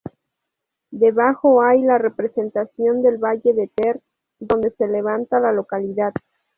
Debajo hay la representación del valle de Ter, donde se levanta la localidad.